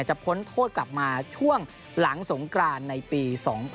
พ้นโทษกลับมาช่วงหลังสงกรานในปี๒๐